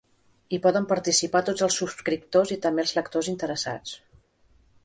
Hi poden participar tots els subscriptors i també els lectors interessats.